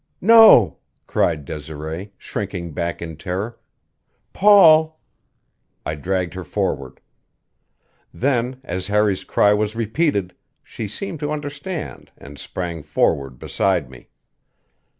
"No!" cried Desiree, shrinking back in terror. "Paul " I dragged her forward. Then, as Harry's cry was repeated, she seemed to understand and sprang forward beside me.